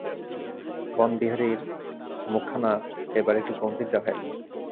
বনবিহারীর মুখখানা এবার একটু গম্ভীর দেখাইল।